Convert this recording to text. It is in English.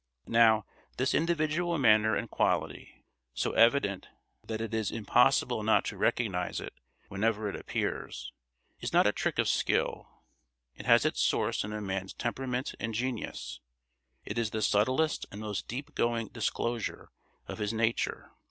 Now, this individual manner and quality, so evident that it is impossible not to recognise it whenever it appears, is not a trick of skill; it has its source in a man's temperament and genius; it is the subtlest and most deep going disclosure of his nature.